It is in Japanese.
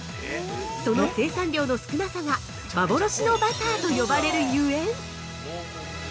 その生産量の少なさが、幻のバターと言われるゆえん。